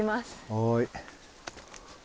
はい。